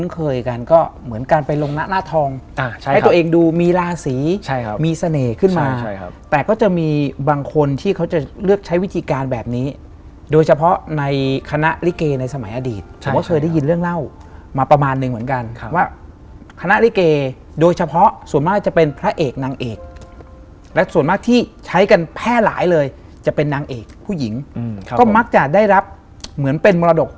เขาเริ่มเจอเหตุการณ์แปลกก็คือ